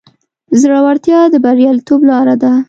زړورتیا د بریالیتوب لاره ده.